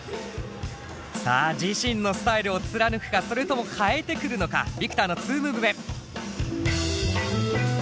さあ自身のスタイルを貫くかそれとも変えてくるのかＶｉｃｔｏｒの２ムーブ目。